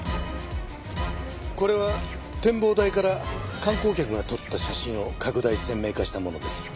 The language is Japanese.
これは展望台から観光客が撮った写真を拡大鮮明化したものです。